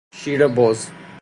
شیر بز